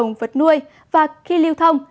đồng vật nuôi và khi lưu thông